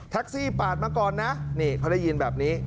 ทักซี่ปาดมาก่อนนะเขาได้ยินแบบนี้